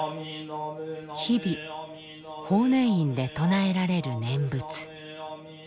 日々法然院で唱えられる念仏。